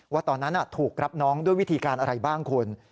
ว่าตอนนั้นถูกรับน้องด้วยวิธีการอะไรบ้างคุณ